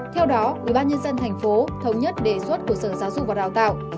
theo đó ubnd tp thống nhất đề xuất của sở giáo dục và đào tạo